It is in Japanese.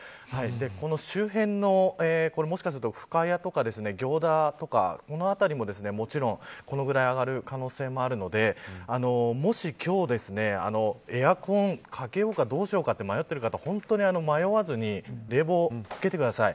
この周辺のもしかすると深谷とか行田とか、この辺りももちろんこのぐらい上がる可能性もあるのでもし今日エアコンかけようかどうしようかと迷っている方、本当に迷わずに冷房をつけてください。